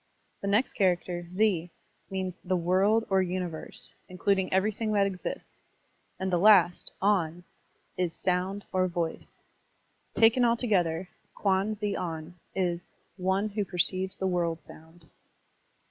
The next char acter, ze, means the "world" or "universe," including everything that exists; and the last, on, is "sotmd" or "voice." Taken altogether, Kwan ze on is "one who perceives the world sotmd."